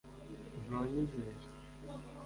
ntunyizera